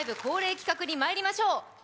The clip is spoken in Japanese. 恒例企画にまいりましょう。